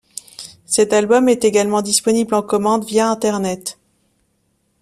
Cet album est également disponible en commande, via Internet.